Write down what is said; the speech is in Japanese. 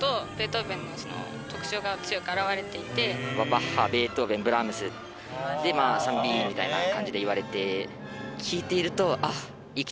バッハベートーヴェンブラームスで「３Ｂ」みたいな感じでいわれて。